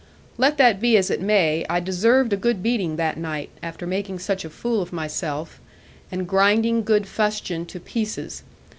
Let that be as it may, I deserved a good beating that night, after making such a fool of myself, and grinding good fustian to pieces.